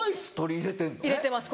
入れてます